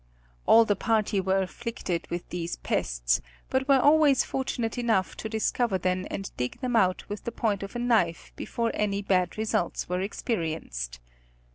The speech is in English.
All the party were afflicted with these pests, but were always fortunate enough to discover them and dig them out with the point of a knife before any bad results were experienced.